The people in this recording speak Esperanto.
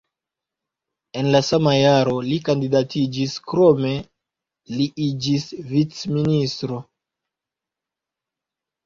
En la sama jaro li kandidatiĝis, krome li iĝis vicministro.